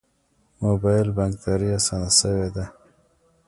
موبایل بانکداري اسانه شوې ده